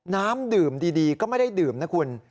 น้ำดื่มดีก็ไม่ได้ดื่มนะคุณ